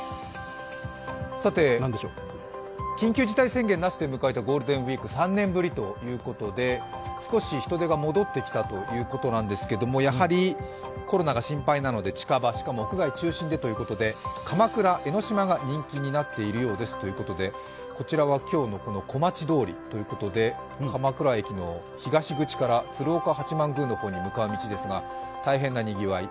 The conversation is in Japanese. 緊急事態宣言なしで迎えたゴールデンウイーク、３年ぶりということで、少し人出が戻ってきたということなんですが、やはりコロナが心配なので、近場、しかも屋外中心でということで鎌倉、江の島が人気になっているようですということで、こちらは今日の小町通りということで鎌倉駅の東口から鶴岡八幡宮の方へ向かう道ですが、大変なにぎわい。